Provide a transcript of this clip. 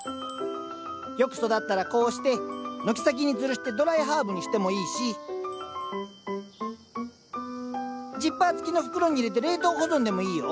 よく育ったらこうして軒先につるしてドライハーブにしてもいいしジッパー付きの袋に入れて冷凍保存でもいいよ。